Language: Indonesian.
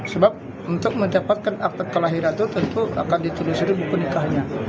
sebab untuk mendapatkan akta kelahiran itu tentu akan ditulis di buku nikahnya